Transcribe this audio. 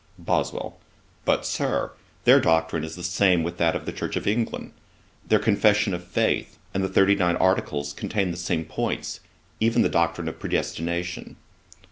BOSWELL. 'But, Sir, their doctrine is the same with that of the Church of England. Their confession of faith, and the thirty nine articles, contain the same points, even the doctrine of predestination.'